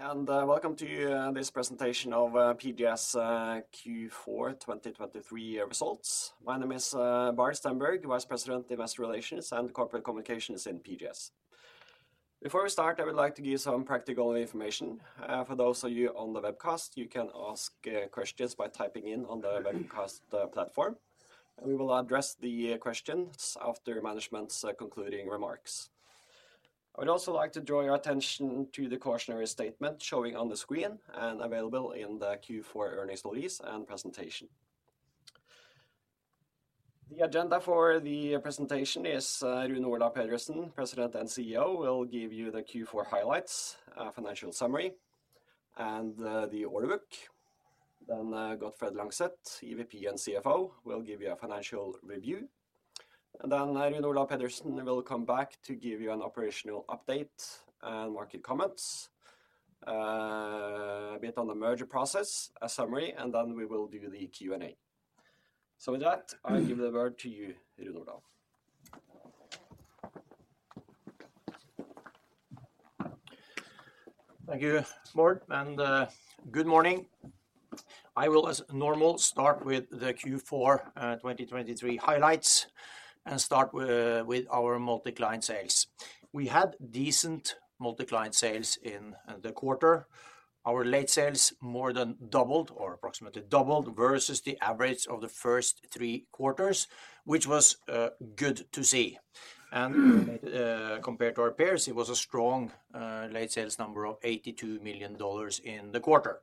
Good day, and welcome to this presentation of PGS Q4 2023 results. My name is Bård Stenberg, Vice President Investor Relations and Corporate Communications in PGS. Before we start, I would like to give some practical information. For those of you on the webcast, you can ask questions by typing in on the webcast platform, and we will address the questions after management's concluding remarks. I would also like to draw your attention to the cautionary statement showing on the screen and available in the Q4 earnings stories and presentation. The agenda for the presentation is Rune Olav Pedersen, President and CEO, will give you the Q4 highlights, a financial summary, and the order book. Then Gottfred Langseth, EVP and CFO, will give you a financial review. Then Rune Olav Pedersen will come back to give you an operational update and market comments, a bit on the merger process, a summary, and then we will do the Q&A. With that, I give the word to you, Rune Olav. Thank you, Bård, and good morning. I will, as normal, start with the Q4 2023 highlights and start with our multi-client sales. We had decent multi-client sales in the quarter. Our late sales more than doubled or approximately doubled versus the average of the first three quarters, which was good to see. And compared to our peers, it was a strong late sales number of $82 million in the quarter.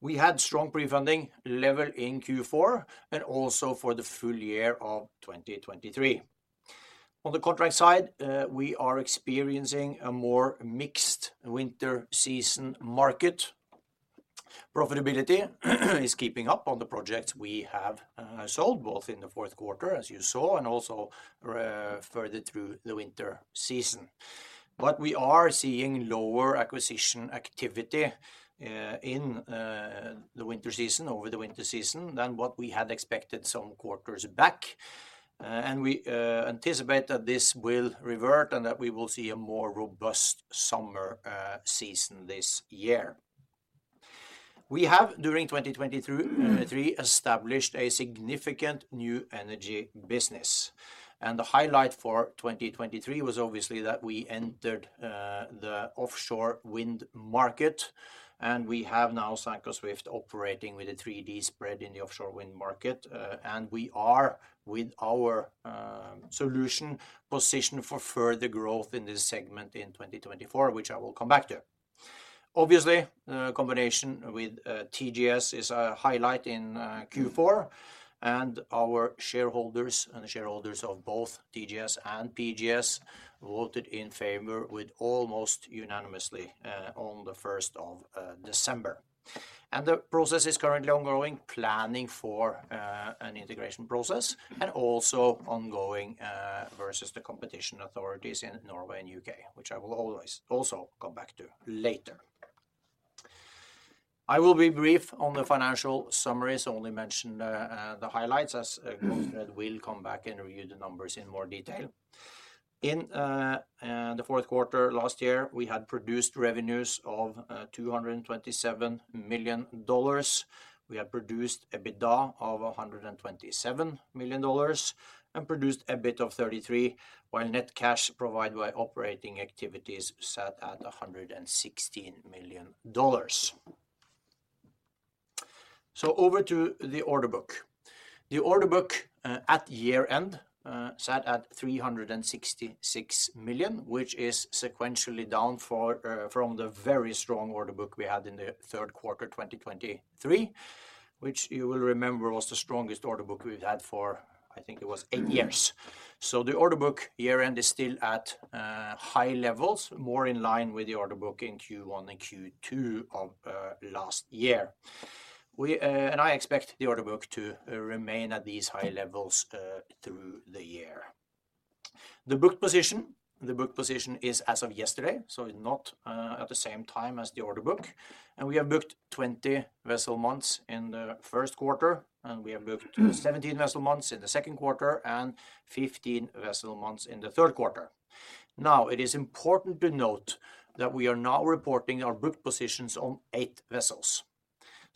We had strong pre-funding level in Q4 and also for the full year of 2023. On the contract side, we are experiencing a more mixed winter season market. Profitability is keeping up on the projects we have sold both in the fourth quarter, as you saw, and also further through the winter season. But we are seeing lower acquisition activity in the winter season over the winter season than what we had expected some quarters back. We anticipate that this will revert and that we will see a more robust summer season this year. We have, during 2023, established a significant new energy business. The highlight for 2023 was obviously that we entered the offshore wind market, and we have now Sanco Swift operating with a 3D spread in the offshore wind market. We are, with our solution, positioned for further growth in this segment in 2024, which I will come back to. Obviously, the combination with TGS is a highlight in Q4, and our shareholders and the shareholders of both TGS and PGS voted in favor almost unanimously on the 1st of December. The process is currently ongoing, planning for an integration process and also ongoing versus the competition authorities in Norway and the U.K., which I will always also come back to later. I will be brief on the financial summaries, only mention the highlights as Gottfred will come back and review the numbers in more detail. In the fourth quarter last year, we had produced revenues of $227 million. We had produced EBITDA of $127 million and produced EBIT of $33 million, while net cash provided by operating activities sat at $116 million. So over to the order book. The order book at year end sat at $366 million, which is sequentially down from the very strong order book we had in the third quarter 2023, which you will remember was the strongest order book we've had for, I think it was eight years. So the order book year end is still at high levels, more in line with the order book in Q1 and Q2 of last year. I expect the order book to remain at these high levels through the year. The book position is as of yesterday, so it's not at the same time as the order book. We have booked 20 vessel months in the first quarter, and we have booked 17 vessel months in the second quarter and 15 vessel months in the third quarter. Now, it is important to note that we are now reporting our book positions on eight vessels.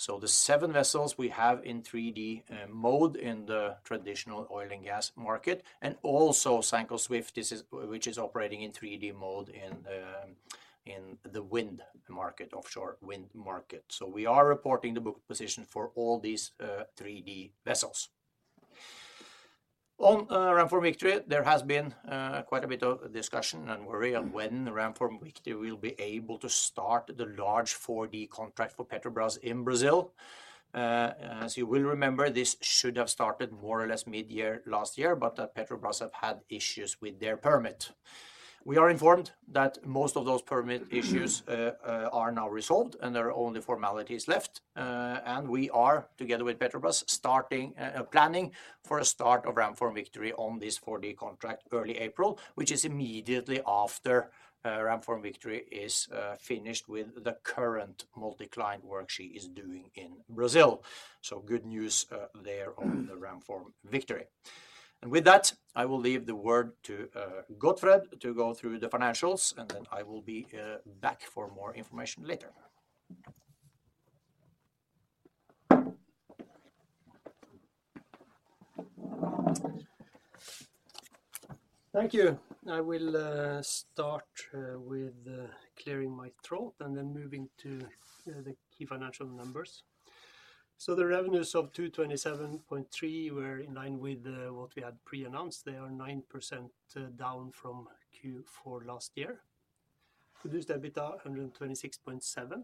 The seven vessels we have in 3D mode in the traditional oil and gas market, and also Sanco Swift, which is operating in 3D mode in the wind market, offshore wind market. We are reporting the book position for all these 3D vessels. On Ramform Victory, there has been quite a bit of discussion and worry on when Ramform Victory will be able to start the large 4D contract for Petrobras in Brazil. As you will remember, this should have started more or less mid-year last year, but that Petrobras have had issues with their permit. We are informed that most of those permit issues are now resolved and there are only formalities left. And we are, together with Petrobras, starting planning for a start of Ramform Victory on this 4D contract early April, which is immediately after Ramform Victory is finished with the current multi-client work she is doing in Brazil. So good news there on the Ramform Victory. And with that, I will leave the word to Gottfred to go through the financials, and then I will be back for more information later. Thank you. I will start with clearing my throat and then moving to the key financial numbers. So the revenues of $227.3 were in line with what we had pre-announced. They are 9% down from Q4 last year. Produced EBITDA $126.7.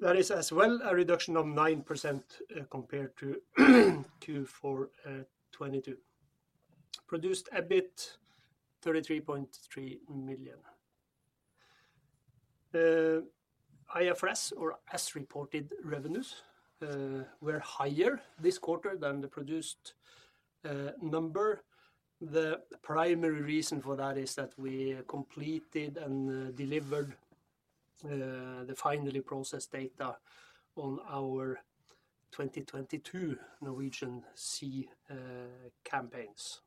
That is as well a reduction of 9% compared to Q4 2022. Produced EBIT $33.3 million. IFRS or as reported revenues were higher this quarter than the produced number. The primary reason for that is that we completed and delivered the finally processed data on our 2022 Norwegian Sea campaigns.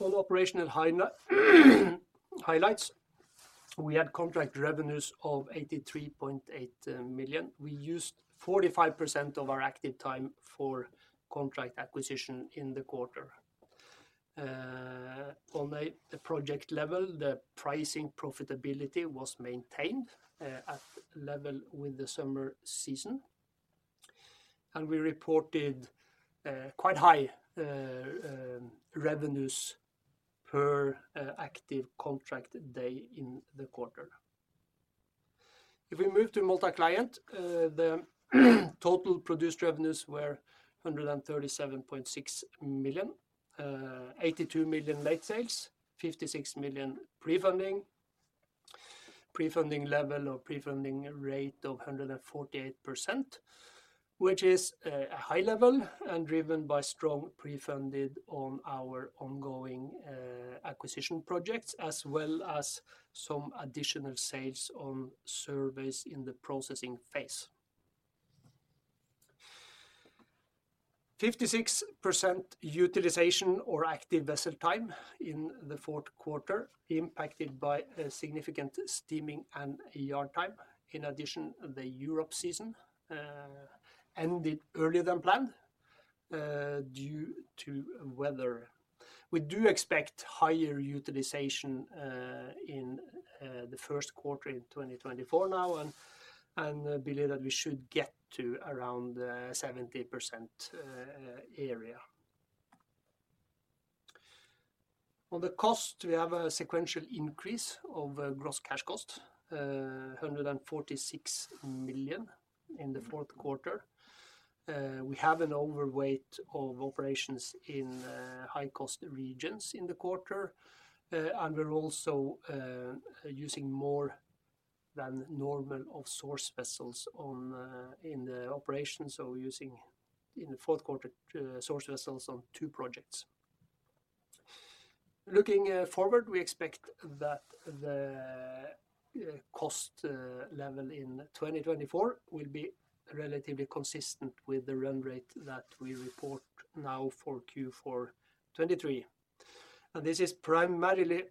On operational highlights, we had contract revenues of $83.8 million. We used 45% of our active time for contract acquisition in the quarter. On the project level, the pricing profitability was maintained at level with the summer season. And we reported quite high revenues per active contract day in the quarter. If we move to multi-client, the total produced revenues were $137.6 million, $82 million late sales, $56 million pre-funding. Pre-funding level or pre-funding rate of 148%, which is a high level and driven by strong pre-funded on our ongoing acquisition projects, as well as some additional sales on surveys in the processing phase. 56% utilization or active vessel time in the fourth quarter impacted by significant steaming and yard time. In addition, the Europe season ended earlier than planned due to weather. We do expect higher utilization in the first quarter in 2024 now and believe that we should get to around 70% area. On the cost, we have a sequential increase of gross cash cost, $146 million in the fourth quarter. We have an overweight of operations in high-cost regions in the quarter. We're also using more than normal of source vessels in the operations, so using in the fourth quarter source vessels on two projects. Looking forward, we expect that the cost level in 2024 will be relatively consistent with the run rate that we report now for Q4 2023. This is primarily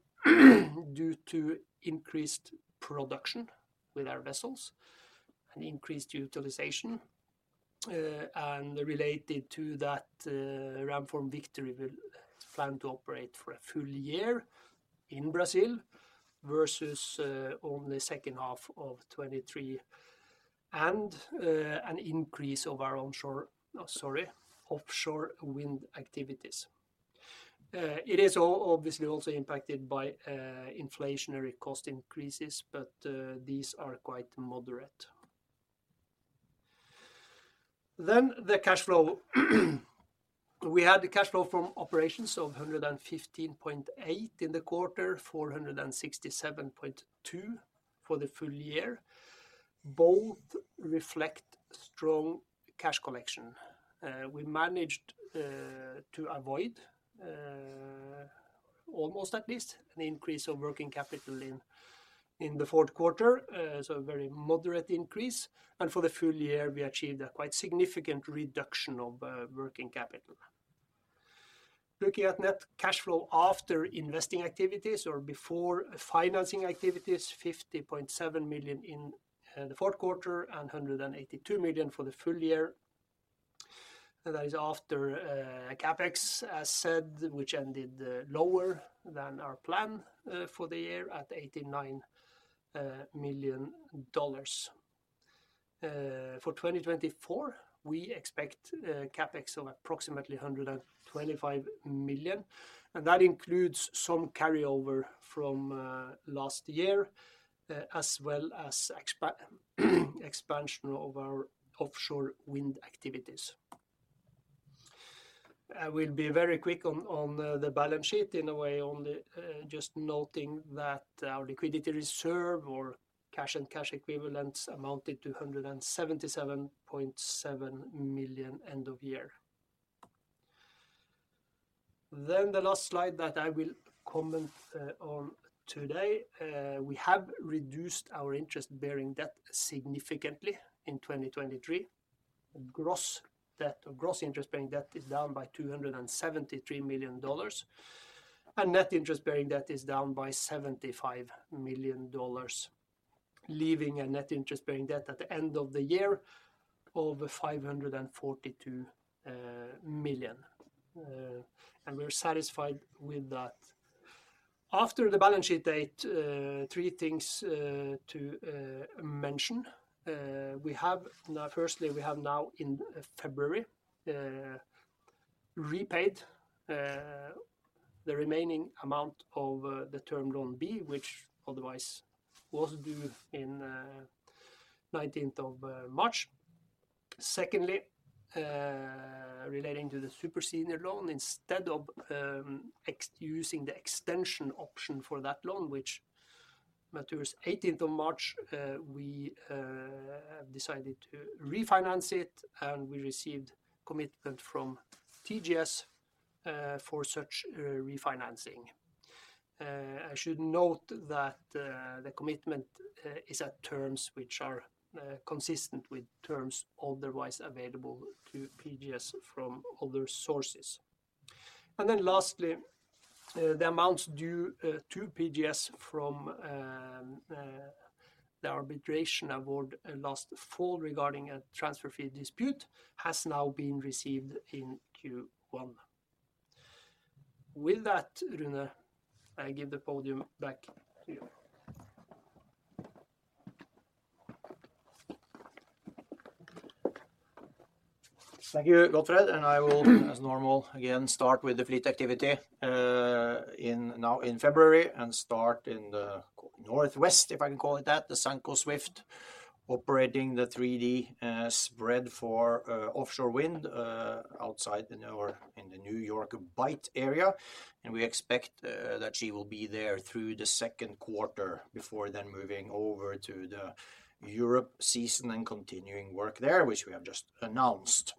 due to increased production with our vessels and increased utilization. Related to that, Ramform Victory will plan to operate for a full year in Brazil versus only the second half of 2023 and an increase of our offshore wind activities. It is obviously also impacted by inflationary cost increases, but these are quite moderate. The cash flow. We had the cash flow from operations of $115.8 in the quarter, $467.2 for the full year. Both reflect strong cash collection. We managed to avoid, almost at least, an increase of working capital in the fourth quarter, so a very moderate increase. For the full year, we achieved a quite significant reduction of working capital. Looking at net cash flow after investing activities or before financing activities, $50.7 million in the fourth quarter and $182 million for the full year. That is after CapEx, as said, which ended lower than our plan for the year at $89 million. For 2024, we expect CapEx of approximately $125 million. That includes some carryover from last year, as well as expansion of our offshore wind activities. I will be very quick on the balance sheet, in a way, only just noting that our liquidity reserve or cash and cash equivalents amounted to $177.7 million end of year. The last slide that I will comment on today. We have reduced our interest-bearing debt significantly in 2023. Gross debt or gross interest-bearing debt is down by $273 million. Net interest-bearing debt is down by $75 million, leaving a net interest-bearing debt at the end of the year of $542 million. We're satisfied with that. After the balance sheet date, three things to mention. Firstly, we have now in February repaid the remaining amount of the Term Loan B, which otherwise was due on the 19th of March. Secondly, relating to the super senior loan, instead of using the extension option for that loan, which matures on the 18th of March, we have decided to refinance it and we received commitment from TGS for such refinancing. I should note that the commitment is at terms which are consistent with terms otherwise available to PGS from other sources. Then lastly, the amounts due to PGS from the arbitration award last fall regarding a transfer fee dispute have now been received in Q1. With that, Rune, I give the podium back to you. Thank you, Gottfred. I will, as normal, again start with the fleet activity now in February and start in the northwest, if I can call it that, the Sanco Swift operating the 3D spread for offshore wind outside in the New York Bight area. We expect that she will be there through the second quarter before then moving over to the Europe season and continuing work there, which we have just announced.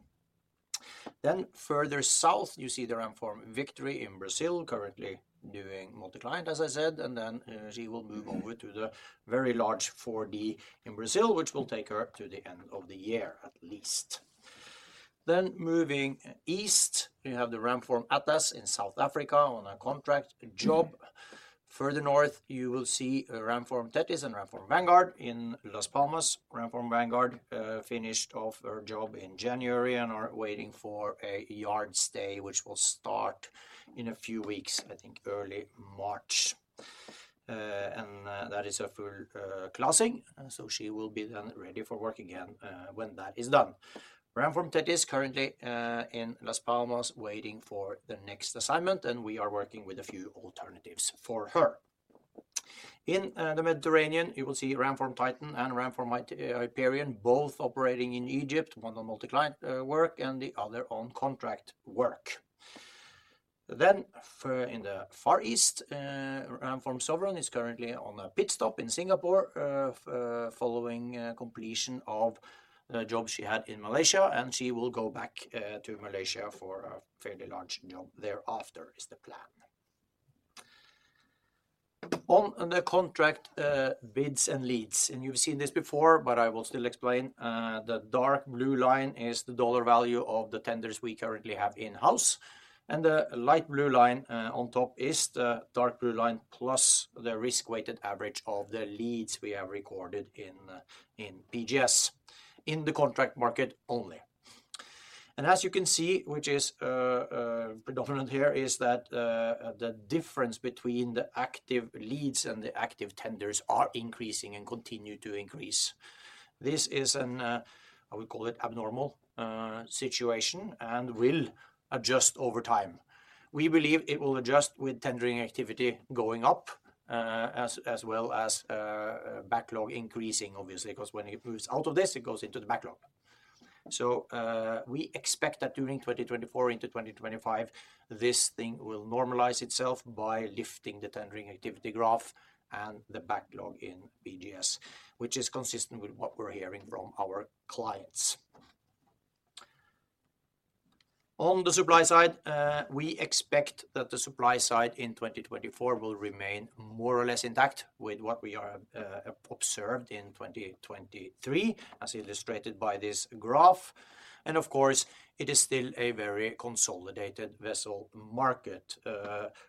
Then further south, you see the Ramform Victory in Brazil currently doing multi-client, as I said. And then she will move over to the very large 4D in Brazil, which will take her to the end of the year, at least. Then moving east, we have the Ramform Atlas in South Africa on a contract job. Further north, you will see Ramform Tethys and Ramform Vanguard in Las Palmas. Ramform Vanguard finished off her job in January and are waiting for a yard stay, which will start in a few weeks, I think early March. And that is a full classing. So she will be then ready for work again when that is done. Ramform Tethys is currently in Las Palmas, waiting for the next assignment, and we are working with a few alternatives for her. In the Mediterranean, you will see Ramform Titan and Ramform Hyperion, both operating in Egypt, one on multi-client work and the other on contract work. Then in the Far East, Ramform Sovereign is currently on a pit stop in Singapore following completion of the job she had in Malaysia, and she will go back to Malaysia for a fairly large job thereafter is the plan. On the contract bids and leads, and you've seen this before, but I will still explain. The dark blue line is the dollar value of the tenders we currently have in-house. The light blue line on top is the dark blue line plus the risk-weighted average of the leads we have recorded in PGS in the contract market only. As you can see, which is predominant here, is that the difference between the active leads and the active tenders is increasing and continues to increase. This is an, I would call it, abnormal situation and will adjust over time. We believe it will adjust with tendering activity going up as well as backlog increasing, obviously, because when it moves out of this, it goes into the backlog. We expect that during 2024 into 2025, this thing will normalize itself by lifting the tendering activity graph and the backlog in PGS, which is consistent with what we're hearing from our clients. On the supply side, we expect that the supply side in 2024 will remain more or less intact with what we have observed in 2023, as illustrated by this graph. Of course, it is still a very consolidated vessel market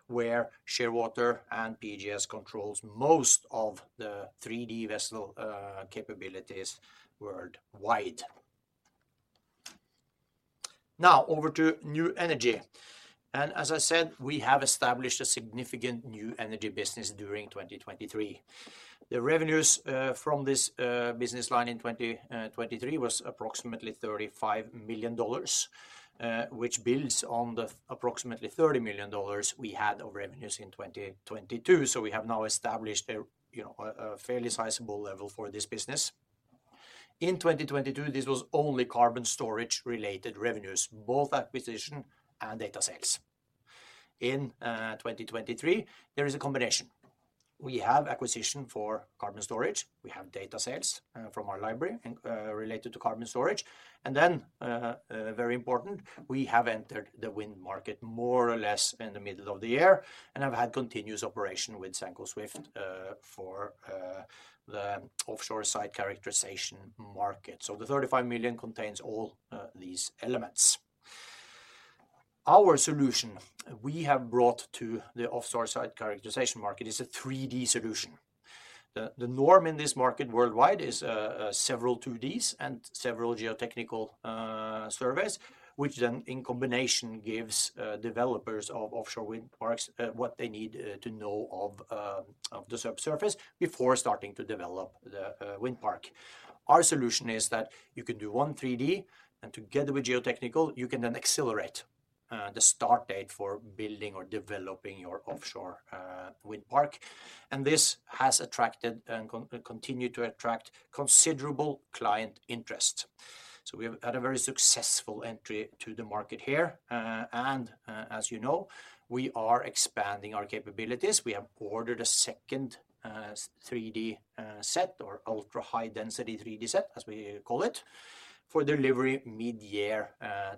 where Shearwater and PGS control most of the 3D vessel capabilities worldwide. Now over to new energy. As I said, we have established a significant new energy business during 2023. The revenues from this business line in 2023 were approximately $35 million, which builds on the approximately $30 million we had of revenues in 2022. We have now established a fairly sizable level for this business. In 2022, this was only carbon storage-related revenues, both acquisition and data sales. In 2023, there is a combination. We have acquisition for carbon storage. We have data sales from our library related to carbon storage. Then, very important, we have entered the wind market more or less in the middle of the year and have had continuous operation with Sanco Swift for the offshore site characterization market. The $35 million contains all these elements. Our solution we have brought to the offshore site characterization market is a 3D solution. The norm in this market worldwide is several 2Ds and several geotechnical surveys, which then in combination gives developers of offshore wind parks what they need to know of the subsurface before starting to develop the wind park. Our solution is that you can do one 3D, and together with geotechnical, you can then accelerate the start date for building or developing your offshore wind park. This has attracted and continued to attract considerable client interest. We have had a very successful entry to the market here. As you know, we are expanding our capabilities. We have ordered a second 3D set or ultra-high-density 3D set, as we call it, for delivery mid-year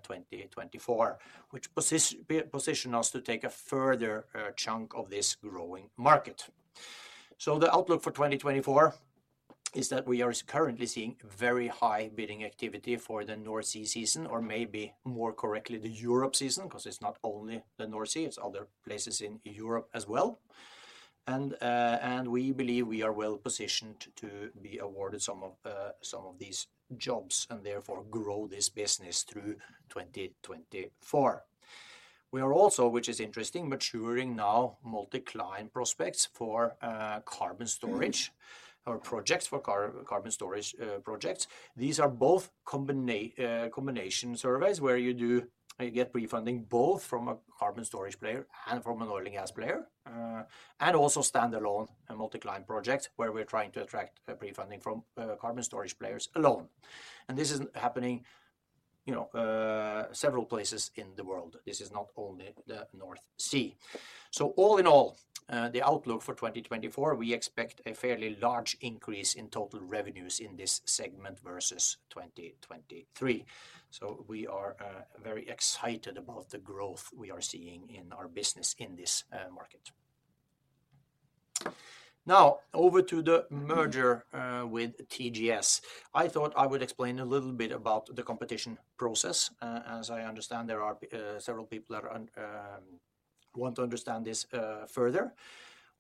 2024, which positions us to take a further chunk of this growing market. The outlook for 2024 is that we are currently seeing very high bidding activity for the North Sea season, or maybe more correctly, the Europe season, because it's not only the North Sea, it's other places in Europe as well. We believe we are well positioned to be awarded some of these jobs and therefore grow this business through 2024. We are also, which is interesting, maturing now multi-client prospects for carbon storage, our projects for carbon storage projects. These are both combination surveys where you do get pre-funding both from a carbon storage player and from an oil and gas player, and also standalone multi-client projects where we're trying to attract pre-funding from carbon storage players alone. This is happening several places in the world. This is not only the North Sea. All in all, the outlook for 2024, we expect a fairly large increase in total revenues in this segment versus 2023. We are very excited about the growth we are seeing in our business in this market. Now over to the merger with TGS. I thought I would explain a little bit about the competition process. As I understand, there are several people that want to understand this further.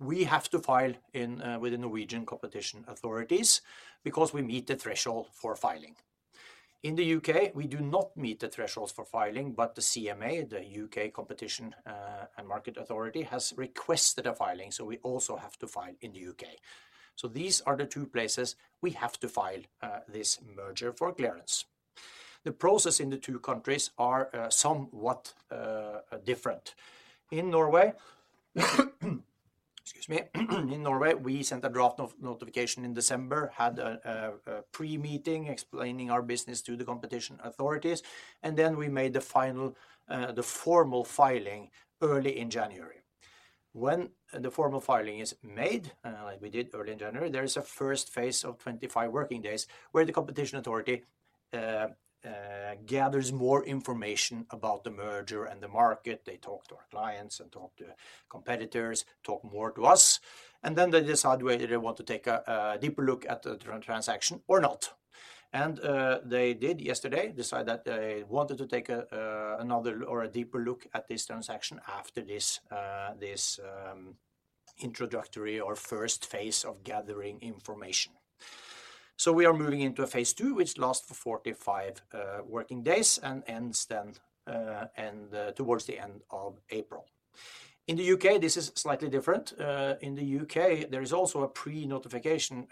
We have to file with the Norwegian Competition Authorities because we meet the threshold for filing. In the U.K, we do not meet the thresholds for filing, but the CMA, the U.K. Competition and Markets Authority, has requested a filing, so we also have to file in the U.K. These are the two places we have to file this merger for clearance. The process in the two countries is somewhat different. In Norway, excuse me, in Norway, we sent a draft notification in December, had a pre-meeting explaining our business to the competition authorities, and then we made the final, the formal filing early in January. When the formal filing is made, like we did early in January, there is a first phase of 25 working days where the competition authority gathers more information about the merger and the market. They talk to our clients and talk to competitors, talk more to us, and then they decide whether they want to take a deeper look at the transaction or not. And they did yesterday decide that they wanted to take another or a deeper look at this transaction after this introductory or first phase of gathering information. So we are moving into a phase II, which lasts for 45 working days and ends then towards the end of April. In the U.K., this is slightly different. In the U.K., there is also a pre-notification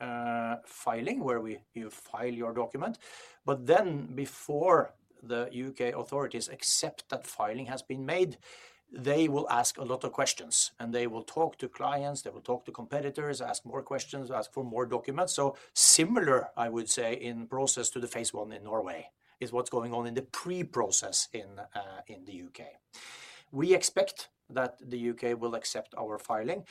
filing where you file your document. But then before the U.K. authorities accept that filing has been made, they will ask a lot of questions, and they will talk to clients, they will talk to competitors, ask more questions, ask for more documents. So similar, I would say, in process to the phase I in Norway is what's going on in the pre-phase in the U.K. We expect that the U.K. will accept our filing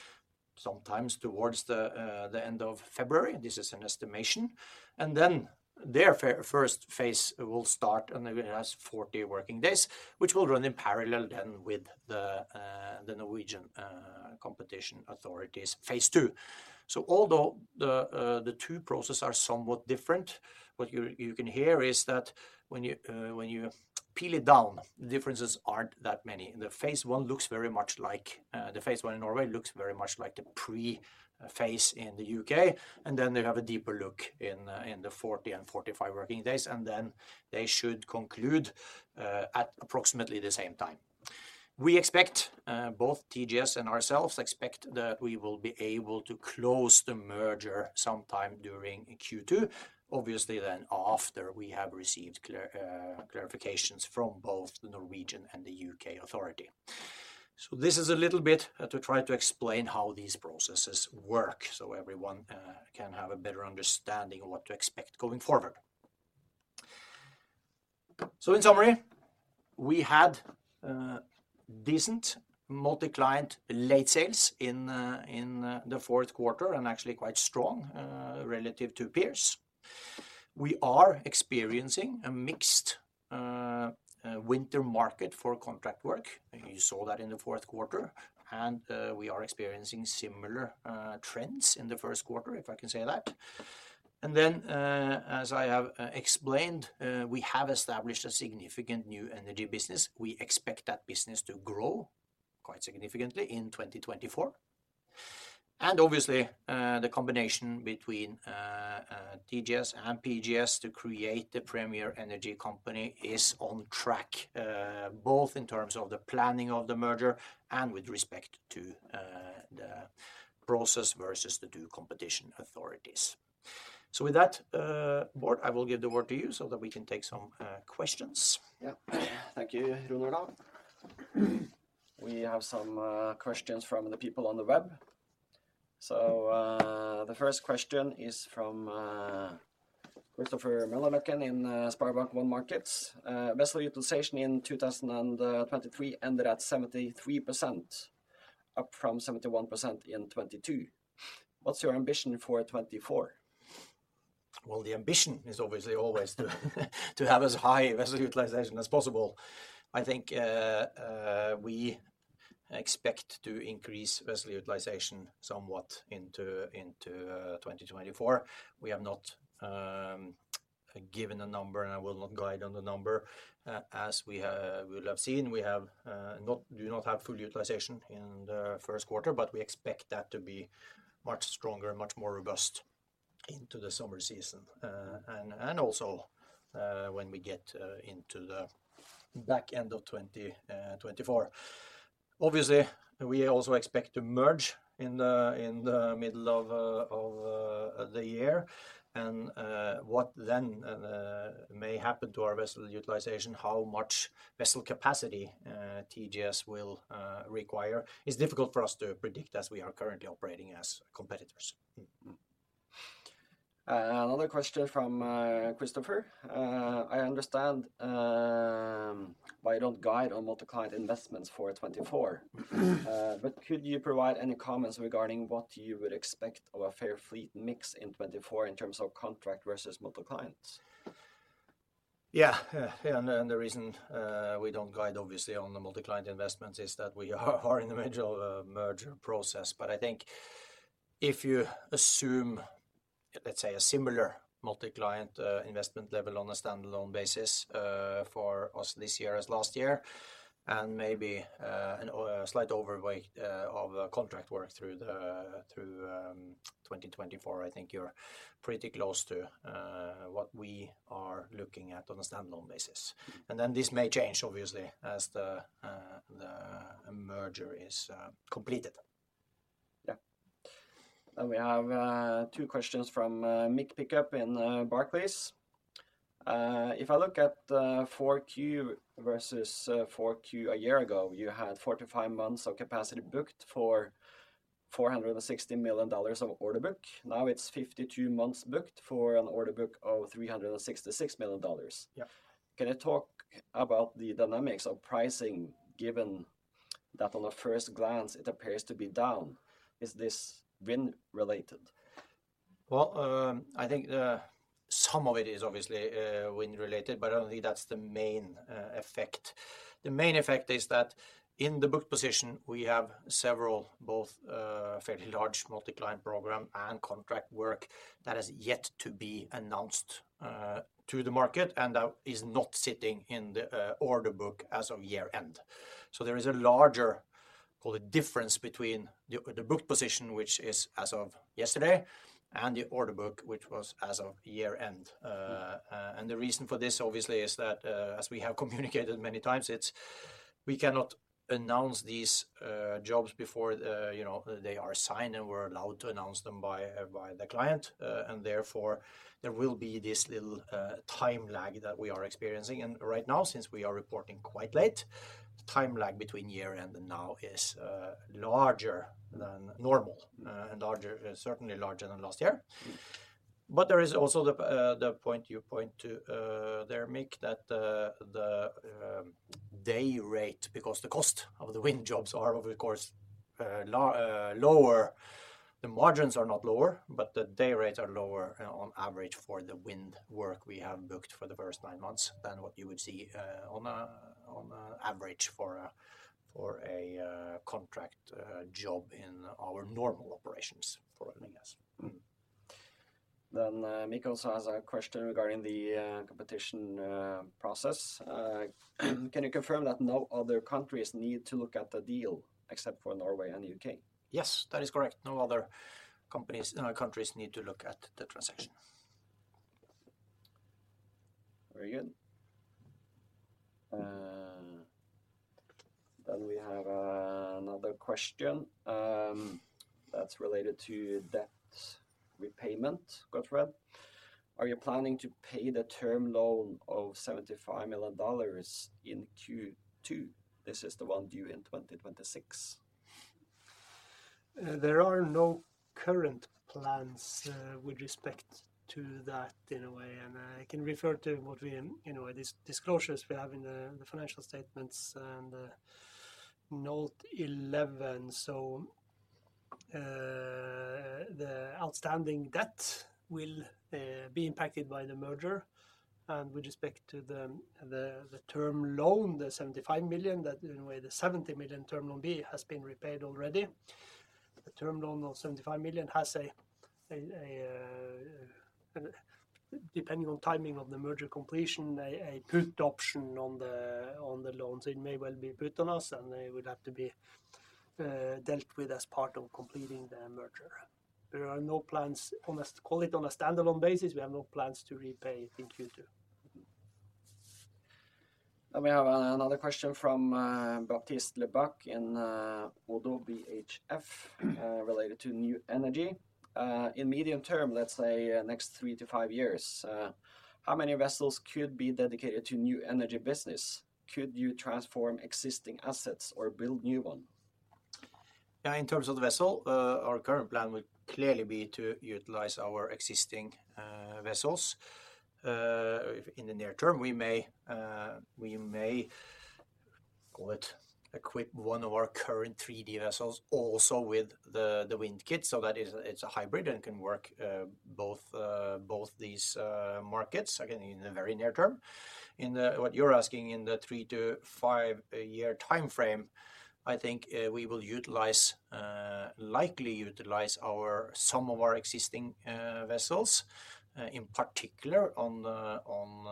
sometime towards the end of February. This is an estimation. And then their first phase will start and it has 40 working days, which will run in parallel then with the Norwegian Competition Authorities phase II. So although the two processes are somewhat different, what you can hear is that when you boil it down, the differences aren't that many. The phase I looks very much like the phase I in Norway looks very much like the pre-phase in the U.K. And then they have a deeper look in the 40 and 45 working days, and then they should conclude at approximately the same time. We expect both TGS and ourselves expect that we will be able to close the merger sometime during Q2, obviously then after we have received clarifications from both the Norwegian and the UKAuthorITy. So this is a little bit to try to explain how these processes work so everyone can have a better understanding of what to expect going forward. So in summary, we had decent multi-client late sales in the fourth quarter and actually quite strong relative to peers. We are experiencing a mixed winter market for contract work. You saw that in the fourth quarter, and we are experiencing similar trends in the first quarter, if I can say that. And then as I have explained, we have established a significant new energy business. We expect that business to grow quite significantly in 2024. Obviously, the combination between TGS and PGS to create the premier energy company is on track both in terms of the planning of the merger and with respect to the process versus the two competition authorities. So with that, Bård, I will give the word to you so that we can take some questions. Yeah. Thank you, Rune Olav. We have some questions from the people on the web. So the first question is from Christopher Møllerløkken in SpareBank 1 Markets. Vessel utilization in 2023 ended at 73%, up from 71% in 2022. What's your ambition for 2024? Well, the ambition is obviously always to have as high vessel utilization as possible. I think we expect to increase vessel utilization somewhat into 2024. We have not given a number, and I will not guide on the number. As we have seen, we do not have full utilization in the first quarter, but we expect that to be much stronger and much more robust into the summer season and also when we get into the back end of 2024. Obviously, we also expect to merge in the middle of the year. And what then may happen to our vessel utilization, how much vessel capacity TGS will require, is difficult for us to predict as we are currently operating as competitors. Another question from Christopher. I understand why you don't guide on multi-client investments for 2024, but could you provide any comments regarding what you would expect of a fair fleet mix in 2024 in terms of contract versus multi-client? Yeah. And the reason we don't guide, obviously, on the multi-client investments is that we are in the middle of a merger process. But I think if you assume, let's say, a similar multi-client investment level on a standalone basis for us this year as last year and maybe a slight overweight of contract work through 2024, I think you're pretty close to what we are looking at on a standalone basis. And then this may change, obviously, as the merger is completed. Yeah. And we have two questions from Mick Pickup at Barclays. If I look at 4Q versus 4Q a year ago, you had 45 months of capacity booked for $460 million of order book. Now it's 52 months booked for an order book of $366 million. Can you talk about the dynamics of pricing given that on a first glance, it appears to be down? Is this wind-related? Well, I think some of it is obviously wind-related, but I don't think that's the main effect. The main effect is that in the booked position, we have several both fairly large multi-client program and contract work that has yet to be announced to the market and that is not sitting in the order book as of year-end. There is a larger difference between the booked position, which is as of yesterday, and the order book, which was as of year-end. The reason for this, obviously, is that as we have communicated many times, we cannot announce these jobs before they are signed and we're allowed to announce them by the client. Therefore, there will be this little time lag that we are experiencing. Right now, since we are reporting quite late, the time lag between year-end and now is larger than normal and certainly larger than last year. There is also the point you point to there, Mick, that the day rate, because the cost of the wind jobs are, of course, lower. The margins are not lower, but the day rates are lower on average for the wind work we have booked for the first nine months than what you would see on average for a contract job in our normal operations for oil and gas. Mick also has a question regarding the competition process. Can you confirm that no other countries need to look at the deal except for Norway and the U.K.? Yes, that is correct. No other countries need to look at the transaction. Very good. We have another question that's related to debt repayment, Gottfred. Are you planning to pay the term loan of $75 million in Q2? This is the one due in 2026. There are no current plans with respect to that in a way. I can refer to what we in a way, these disclosures we have in the financial statements and Note 11. The outstanding debt will be impacted by the merger. With respect to the term loan, the $75 million, that in a way, the $70 million Term Loan B has been repaid already. The term loan of $75 million has a, depending on timing of the merger completion, a put option on the loan. So it may well be put on us, and it would have to be dealt with as part of completing the merger. There are no plans, call it on a standalone basis. We have no plans to repay it in Q2. We have another question from Baptiste Lebacq in ODDO BHF related to new energy. In the medium term, let's say next three to five years, how many vessels could be dedicated to new energy business? Could you transform existing assets or build new one? Yeah, in terms of the vessel, our current plan would clearly be to utilize our existing vessels. In the near term, we may call it equip one of our current 3D vessels also with the wind kit. So that is a hybrid and can work both these markets again in the very near term. In what you're asking, in the three to five a year time frame, I think we will likely utilize some of our existing vessels, in particular on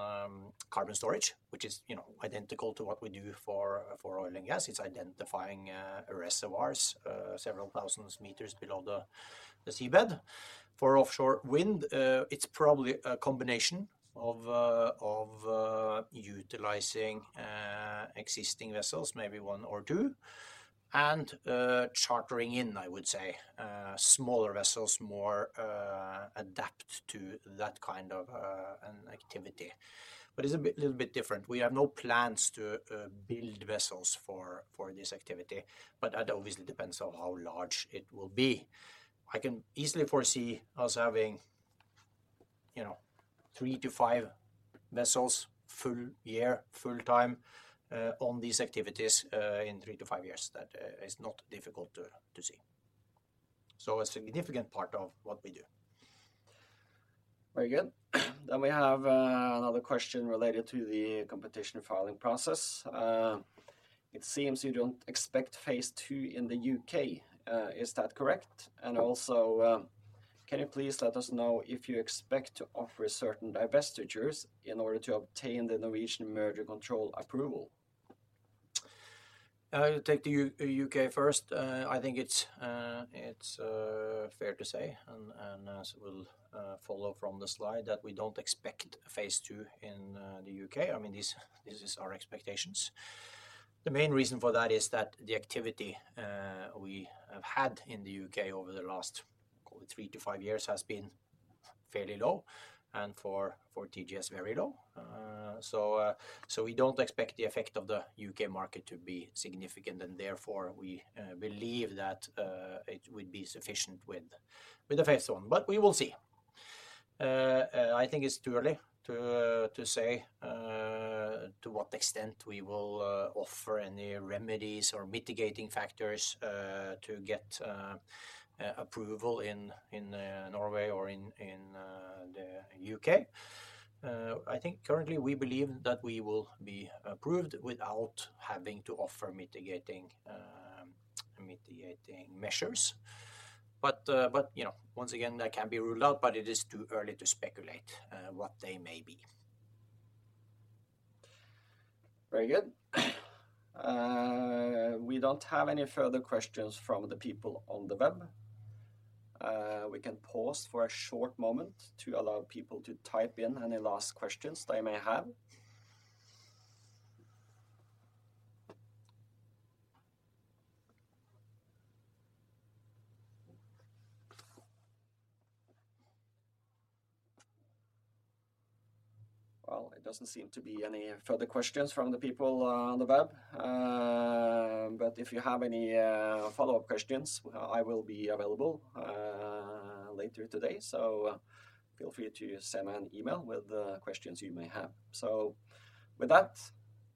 carbon storage, which is identical to what we do for oil and gas. It's identifying reservoirs several thousand meters below the seabed. For offshore wind, it's probably a combination of utilizing existing vessels, maybe one or two, and chartering in, I would say, smaller vessels, more adapted to that kind of activity. But it's a little bit different. We have no plans to build vessels for this activity, but that obviously depends on how large it will be. I can easily foresee us having three to five vessels full year, full time on these activities in three to five years. That is not difficult to see. So a significant part of what we do. Very good. Then we have another question related to the competition filing process. It seems you don't expect phase II in the U.K. Is that correct? And also, can you please let us know if you expect to offer certain divestitures in order to obtain the Norwegian merger control approval? Take the U.K. first. I think it's fair to say, and as we'll follow from the slide, that we don't expect phase II in the U.K. I mean, this is our expectations. The main reason for that is that the activity we have had in the U.K. over the last, call it, three to five years has been fairly low and for TGS very low. So we don't expect the effect of the U.K. market to be significant. And therefore, we believe that it would be sufficient with the phase I. But we will see. I think it's too early to say to what extent we will offer any remedies or mitigating factors to get approval in Norway or in the U.K. I think currently we believe that we will be approved without having to offer mitigating measures. But once again, that can be ruled out, but it is too early to speculate what they may be. Very good. We don't have any further questions from the people on the web. We can pause for a short moment to allow people to type in any last questions they may have. Well, it doesn't seem to be any further questions from the people on the web. But if you have any follow-up questions, I will be available later today. So feel free to send an email with the questions you may have. So with that,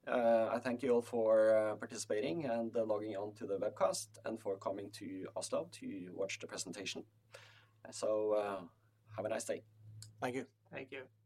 I thank you all for participating and logging on to the webcast and for coming to [Oslo] to watch the presentation. So have a nice day. Thank you. Thank you.